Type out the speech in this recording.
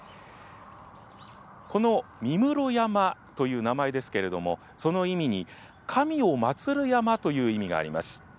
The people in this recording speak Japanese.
この三室山という名前ですけれども、その意味に神を祭る山という意味があります。